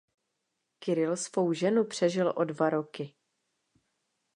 Kirill svou ženu přežil o dva roky.